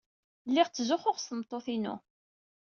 Lliɣ ttzuxxuɣ s tmeṭṭut-inu.